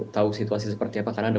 tahu situasi seperti apa karena anda